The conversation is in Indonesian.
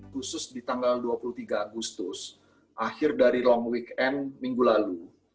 khusus di tanggal dua puluh tiga agustus akhir dari long weekend minggu lalu